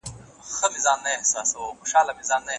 لاري کوڅې به دي له سترګو د اغیاره څارې